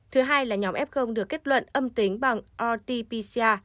thứ hai là nhóm f được kết luận âm tính bằng rt pcr